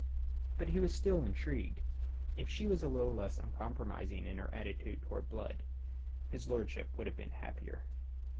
But he was still intrigued. If she were a little less uncompromising in her attitude towards Blood, his lordship would have been happier.